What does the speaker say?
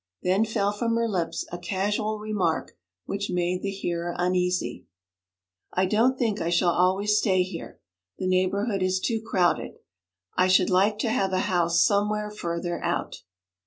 Then fell from her lips a casual remark which made the hearer uneasy. 'I don't think I shall always stay here. The neighbourhood is too crowded. I should like to have a house somewhere further out.'